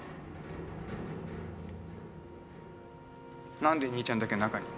なんで兄ちゃんだけ中に？